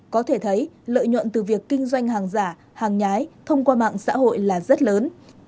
có thể thấy lợi nhuận từ việc kinh doanh hàng giả hàng nhái thông qua mạng xã hội là rất lớn